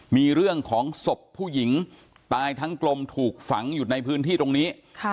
มีเรื่องของศพผู้หญิงตายทั้งกลมถูกฝังอยู่ในพื้นที่ตรงนี้